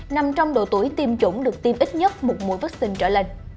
nằm trong độ tuổi tiêm chủng được tiêm ít nhất một mũi vắc xin trở lên